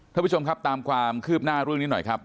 ท่านผู้ชมครับตามความคืบหน้าเรื่องนี้หน่อยครับ